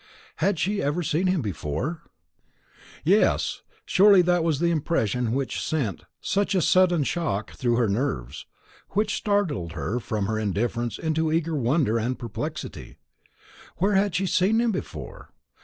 Had she ever seen him before? Yes; surely that was the impression which sent such a sudden shock through her nerves, which startled her from her indifference into eager wonder and perplexity. Where had she seen him before?